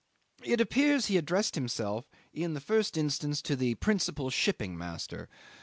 'It appears he addressed himself in the first instance to the principal shipping master.